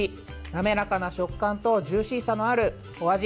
滑らかな食感とジューシーさのあるお味。